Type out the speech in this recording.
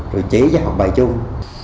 rồi chế cho học bài chung